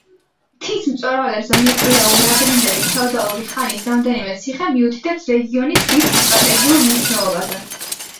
მთის მწვერვალებზე მიკვლეული ადრინდელი ფეოდალური ხანის რამდენიმე ციხე მიუთითებს რეგიონის დიდ სტრატეგიულ მნიშვნელობაზე.